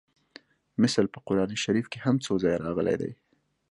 مثل په قران شریف کې هم څو ځایه راغلی دی